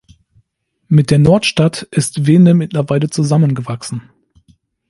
Mit der Nordstadt ist Weende mittlerweile zusammengewachsen.